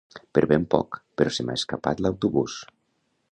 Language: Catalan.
Per ben poc, però se m'ha escapat l'autobús